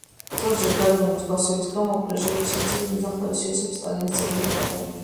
ზოგჯერ, გარეგნული მსგავსების გამო პრჟევალსკის ძეგლი მნახველებს იოსებ სტალინის ძეგლი ჰგონიათ.